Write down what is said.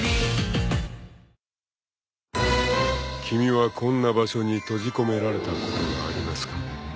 ［君はこんな場所に閉じ込められたことがありますか？］